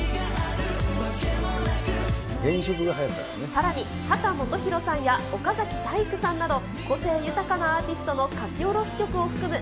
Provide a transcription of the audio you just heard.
さらに、秦基博さんや岡崎体育さんなど、個性豊かなアーティストの書き下ろし曲を含む